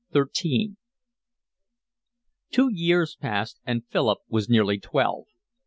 XIII Two years passed, and Philip was nearly twelve.